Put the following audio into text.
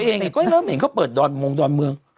ตัวเองอ่ะเนี่ยเฮ้ยเริ่มเห็นเค้าเปิดโดดงโดดเมือง